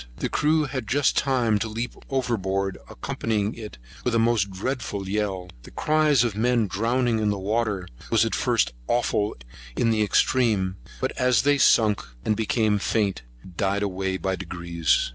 The crew had just time to leap over board, accompanying it with a most dreadful yell. The cries of the men drowning in the water was at first awful in the extreme; but as they sunk, and became faint, it died away by degrees.